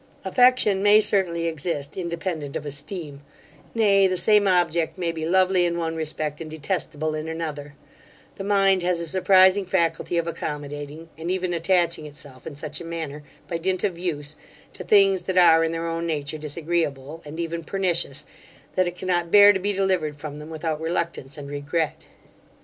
Affection may certainly exist independent of esteem; nay, the same object may be lovely in one respect, and detestable in another The mind has a surprising faculty of accommodating, and even attaching itself, in such a manner, by dint of use, to things that are in their own nature disagreeable, and even pernicious, that it cannot bear to be delivered from them without reluctance and regret.